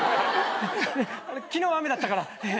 昨日雨だったから。